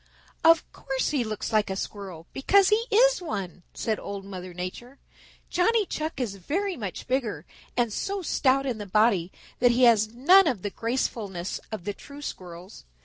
"Of course he looks like a Squirrel, because he is one," said Old Mother Nature. "Johnny Chuck is very much bigger and so stout in the body that he has none of the gracefulness of the true Squirrels.